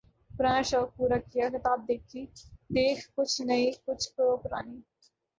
پرانا شوق پورا کیا ، کتاب دیکھ ، کچھ نئی ، کچھ و پرانی